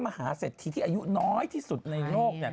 มหาเศรษฐีที่อายุน้อยที่สุดในโลก